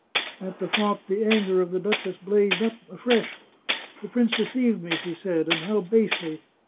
At the thought, the anger of the duchess blazed up afresh. " The prince deceived me," she said, " and how basely!